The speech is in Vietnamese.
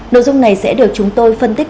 nội dung này sẽ được chúng tôi phân tích